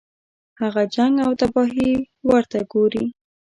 هغه جنګ او تباهي ورته ګوري.